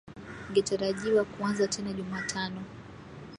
ingetarajiwa kuanza tena Jumatano